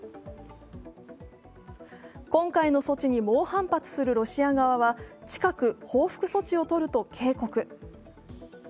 今回の措置に猛反発するロシア側は近く報復措置をとると警告。